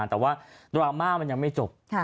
แต่ว่าดราม่ามันยังไม่จบ